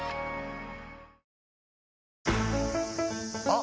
あ！